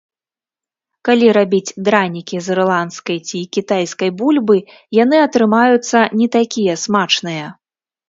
Калі рабіць дранікі з ірландскай ці кітайскай бульбы, яны атрымаюцца не такія смачныя.